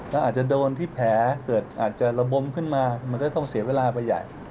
แล้วอาจจะโดนที่แผลเกิดอาจจะระบมขึ้นมามันก็ต้องเสียเวลาไปใหญ่